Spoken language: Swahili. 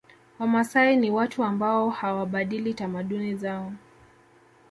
Wamasai ni watu wa ambao hawabadili tamaduni zao